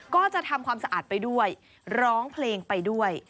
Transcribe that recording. ก็จะทำความสะอาดไปด้วยร้องเพลงไปด้วย